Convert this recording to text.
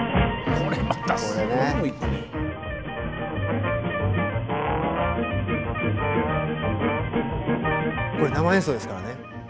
これ生演奏ですからね。